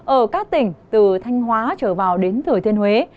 ở các tỉnh từ thanh hóa trở vào đến thừa thiên huế